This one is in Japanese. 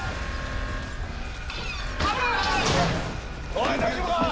おい大丈夫か！